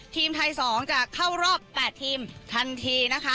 ทีมไทย๒จะเข้ารอบ๘ทีมทันทีนะคะ